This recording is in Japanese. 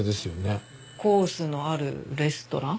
コースのあるレストラン？